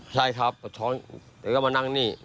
ใช่ครับปวดท้องแล้วก็มานั่งนี่